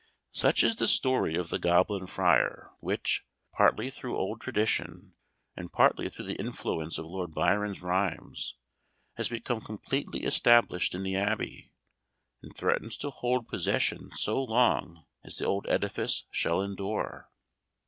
Such is the story of the goblin friar, which, partly through old tradition, and partly through the influence of Lord Byron's rhymes, has become completely established in the Abbey, and threatens to hold possession so long as the old edifice shall endure.